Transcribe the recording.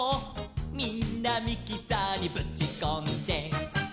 「みんなミキサーにぶちこんで」